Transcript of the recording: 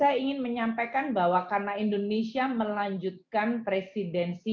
di sini akan dibahas berbagai proses